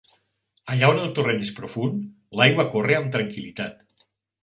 Allà on el torrent és profund, l'aigua corre amb tranquil·litat.